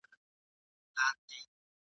که مېرمن وه که یې دواړه ماشومان وه ..